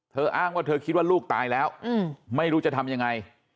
อ้างว่าเธอคิดว่าลูกตายแล้วไม่รู้จะทำยังไง